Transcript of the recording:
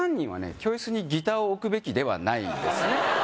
教室にギター置くべきではないですね